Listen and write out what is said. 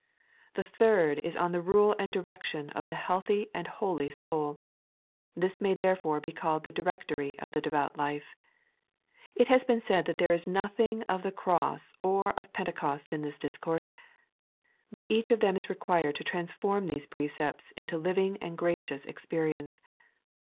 The third is on the rule and direction of the healthy and holy soul — this may there fore be called the Directory of the Devout Life. It has been said that there is nothing of the Cross or of Pentecost in this discourse ; bnt each of them is required to transform these precepts into living and gracious experience.